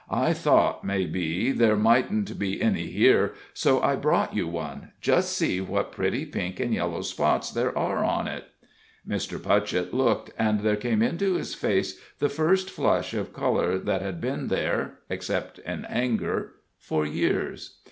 I thought, may be, there mightn't be any here, so I brought you one; just see what pretty pink and yellow spots there are on it." Mr. Putchett looked, and there came into his face the first flush of color that had been there except in anger for years.